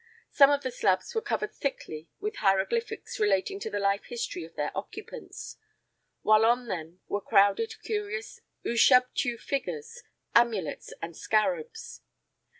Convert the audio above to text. Some of the slabs were covered thickly with hieroglyphics relating the life history of their occupants, while on them were crowded curious ushabtiu figures, amulets and scarabs.